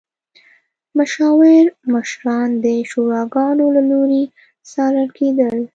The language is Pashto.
مشاور مشران د شوراګانو له لوري څارل کېدل.